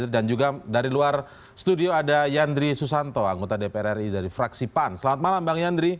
dan juga dari luar studio ada yandri susanto anggota dpr ri dari fraksi pan selamat malam bang yandri